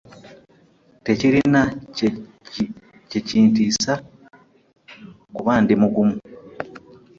Tekirina kye kintiisa kuba ndi mugumu.